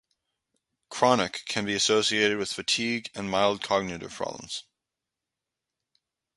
Chronic can be associated with fatigue and mild cognitive problems.